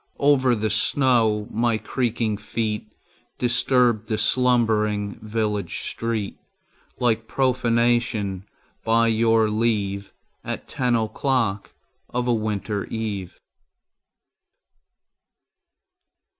Over the snow my creaking feet Disturbed the slumbering village street Like profanation, by your leave, At ten o'clock of a winter eve.